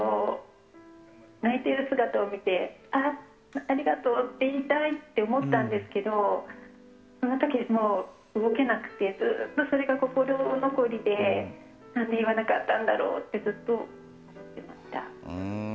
泣いている姿を見てあありがとうって言いたいって思ったんですけどその時もう動けなくてずっとそれが心残りで何で言わなかったんだろうってずっと思ってました。